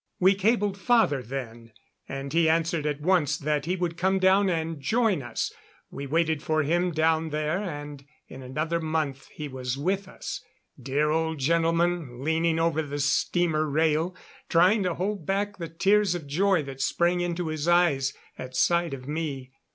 We cabled father then, and he answered at once that he would come down and join us. We waited for him down there, and in another month he was with us dear old gentleman, leaning over the steamer rail, trying to hold back the tears of joy that sprang into his eyes at sight of me.